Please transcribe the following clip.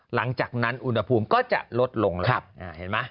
หลังจากนั้นอุณหภูมิก็จะลดลงแล้วเห็นไหม